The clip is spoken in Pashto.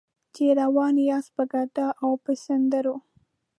چې روان یاست په ګډا او په سندرو.